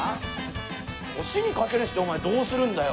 「年に掛け値してお前どうするんだよ？」。